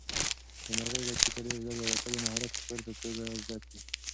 د مرغۍ بچي به ډېر ژر د الوتلو مهارت په پوره توګه زده کړي.